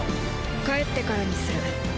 帰ってからにする。